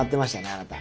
あなた。